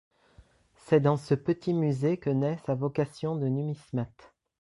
C’est dans ce petit musée que naît sa vocation de numismate.